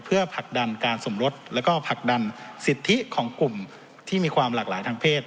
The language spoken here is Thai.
เพื่อผลักดันการสมรสแล้วก็ผลักดันสิทธิของกลุ่มที่มีความหลากหลายทางเพศ